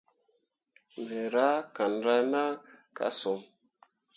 Me rah caŋra na ka son.